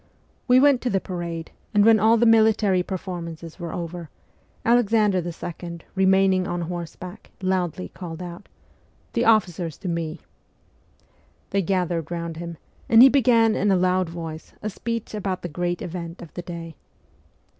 We went to the parade ; and when all the military performances were over, Alexander II., remaining on horseback, loudly called out, ' The officers to me !' They gathered round him, and he began, in a loud voice, a speech about the great event of the day.